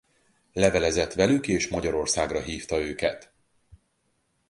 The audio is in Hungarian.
Levelezett velük és Magyarországra hívta őket.